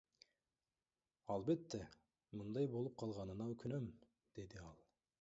Албетте, мындай болуп калганына өкүнөм, — деди ал.